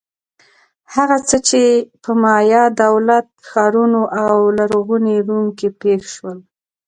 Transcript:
هغه څه چې په مایا دولت-ښارونو او لرغوني روم کې پېښ شول.